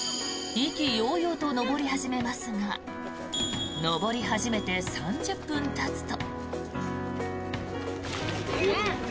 意気揚々と登り始めますが登り始めて３０分たつと。